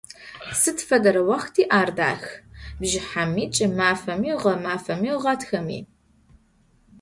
Сыд фэдэрэ уахъти ар дахэ: бжыхьэми, кӏымафэми, гъэмафэми, гъатхэми.